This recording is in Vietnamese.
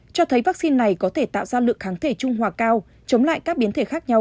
cho thấy vaccine này có thể tạo ra lượng kháng thể trung hòa cao chống lại các biến thể khác nhau